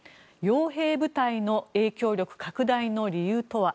傭兵部隊の影響力拡大の理由とは。